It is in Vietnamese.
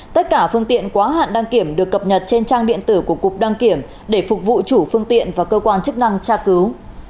tất cả phương tiện quá hạn đăng kiểm được cập nhật trên trang điện tử của cục đăng kiểm để phục vụ chủ phương tiện và cơ quan chức năng tra cứu